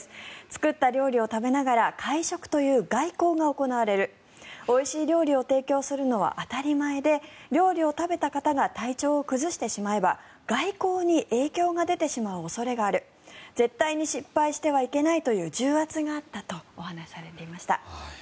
作った料理を食べながら会食という外交が行われるおいしい料理を提供するのは当たり前で料理を食べた方が体調を崩してしまえば外交に影響が出てしまう恐れがある絶対に失敗してはいけないという重圧があったとお話しされていました。